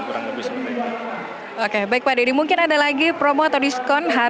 oke baik pak dedy mungkin ada lagi promo atau diskon